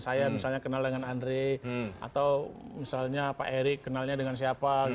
saya misalnya kenal dengan andre atau misalnya pak erick kenalnya dengan siapa